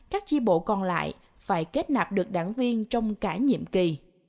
các chi bộ còn lại phải kết nạp được đảng viên trong cả nhiệm kỳ